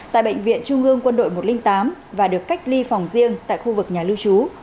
tại bệnh viện trung ương quân đội một trăm linh tám và được cách ly phòng riêng tại khu vực nhà lưu trú